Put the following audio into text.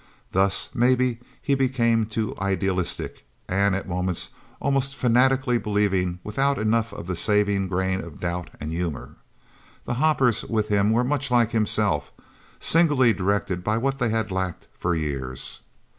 Thus, maybe he became too idealistic and at moments almost fanatically believing, without enough of the saving grain of doubt and humor. The hoppers with him were much like himself singly directed by what they had lacked for years.